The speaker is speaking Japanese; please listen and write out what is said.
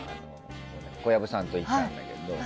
小藪さんと行ったんだけど。